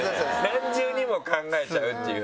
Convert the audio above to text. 何重にも考えちゃうっていう。